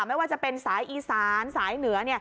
ไม่ว่าจะเป็นสายอีสานสายเหนือ